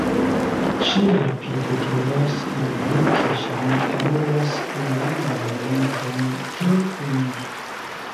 Ŝi rapide diras al mi, ke ŝi ne parolas la landan lingvon tre bone.